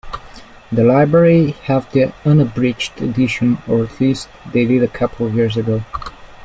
The library have the unabridged edition, or at least they did a couple of years ago.